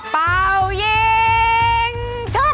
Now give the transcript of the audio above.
เป้ายิงชุด